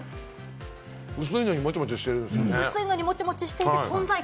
薄いのにモチモチしてるんですよね。